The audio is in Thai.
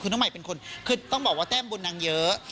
คือน้องใหม่เป็นคนคือต้องบอกว่าแต้มบุญนางเยอะ